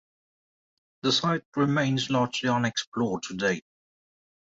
The site remains largely unexplored to date.